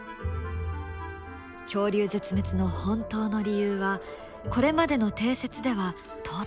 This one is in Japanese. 恐竜絶滅の本当の理由はこれまでの定説では到底説明し切れない。